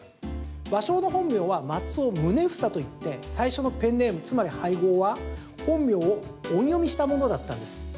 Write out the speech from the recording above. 芭蕉の本名は松尾宗房といって最初のペンネーム、つまり俳号は本名を音読みしたものだったんです。